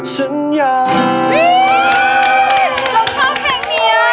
ฉันอยาก